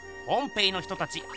ポンペイの人たち